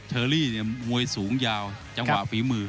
เชอรี่เนี่ยมวยสูงยาวจังหวะฝีมือ